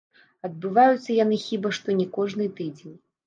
Адбываюцца яны хіба што не кожны тыдзень.